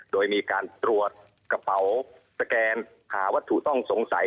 โดยมีการตรวจกระเป๋าสแกนหาวัตถุต้องสงสัย